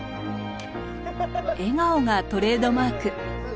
笑顔がトレードマーク。